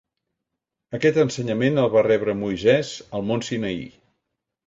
Aquest ensenyament el va rebre Moisès al mont Sinaí.